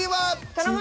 頼む！